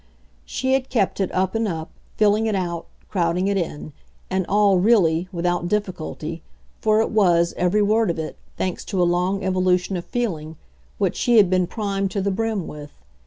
She had kept it up and up, filling it out, crowding it in; and all, really, without difficulty, for it was, every word of it, thanks to a long evolution of feeling, what she had been primed to the brim with.